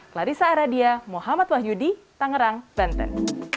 clarissa aradia muhammad wahyudi tangerang banten